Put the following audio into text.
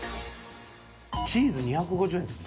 チーズ２５０円する。